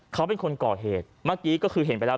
เขาเป็นคนก่อเหตุเมื่อกี้ก็คือเห็นไปแล้ว